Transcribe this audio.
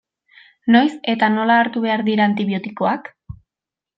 Noiz eta nola hartu behar dira antibiotikoak?